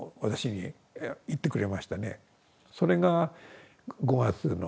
それが５月の。